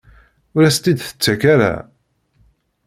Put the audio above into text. Ur as-tt-id-tettak ara?